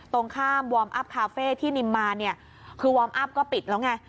ตรงข้ามวอร์มอัพคาเฟ่ที่นิมมาเนี่ยคือวอร์มอัพก็ปิดแล้วไง